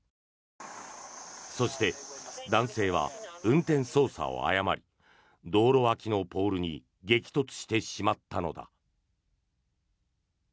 そして、男性は運転操作を誤り道路脇のポールに激突してしまったのだ。